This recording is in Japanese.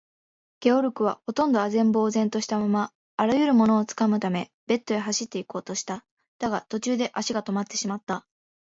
ゲオルクは、ほとんど呆然ぼうぜんとしたまま、あらゆるものをつかむためベッドへ走っていこうとした。だが、途中で足がとまってしまった。